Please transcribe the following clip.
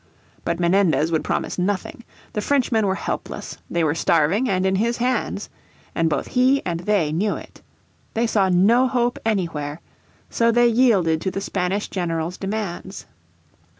But Menendez would promise nothing. The Frenchmen were helpless. They were starving and in his hands. And both he and they knew it. They saw no hope anywhere, so they yielded to the Spanish general's demands.